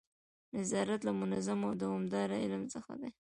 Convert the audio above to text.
نظارت له منظم او دوامداره علم څخه دی.